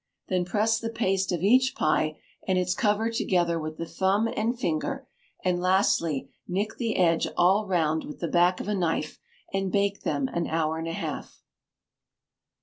Then press the paste of each pie and its cover together with the thumb and finger, and lastly, nick the edge all round with the back of a knife, and bake them an hour and a half.